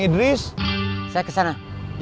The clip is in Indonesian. enggak mau pergi